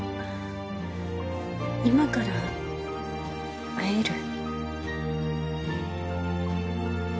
今から会える？